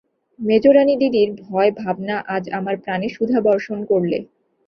মেজোরানীদিদির ভয়-ভাবনা আজ আমার প্রাণে সুধা বর্ষণ করলে।